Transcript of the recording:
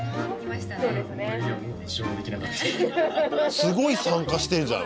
すごい参加してるじゃん